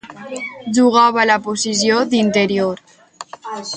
Jugava a la posició d'interior.